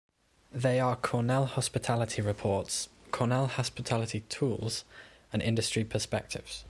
They are Cornell Hospitality Reports, Cornell Hospitality Tools, and Industry Perspectives.